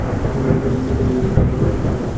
বন্ধু, আম্মুর ফোনটা অফ পাচ্ছি!